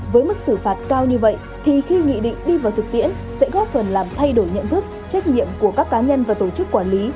với mức xử phạt cao như vậy thì khi nghị định đi vào thực tiễn sẽ góp phần làm thay đổi nhận thức trách nhiệm của các cá nhân và tổ chức quản lý